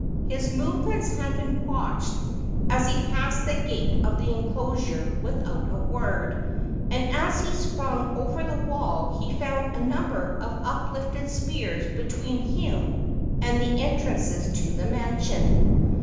His movements had been watched as he passed the gate of the enclosure without a word, and as he sprang over the wall he found a number of uplifted spears between him and the entrances to the mansion.